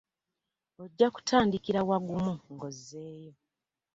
Ojja kutandikira wagumu ng'ozzeeyo.